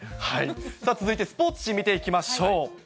さあ続いてスポーツ紙、見ていきましょう。